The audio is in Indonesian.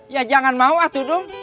ya jangan mau atu dung